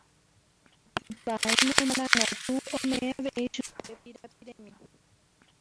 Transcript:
Ipaíno marangatu omeʼẽ avei chupe pirapiremi.